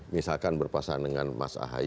misalkan berpasangan dengan mas ahaye